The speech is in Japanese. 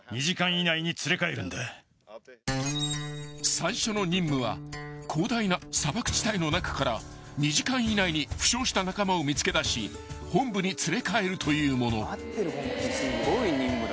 ［最初の任務は広大な砂漠地帯の中から２時間以内に負傷した仲間を見つけ出し本部に連れ帰るというもの］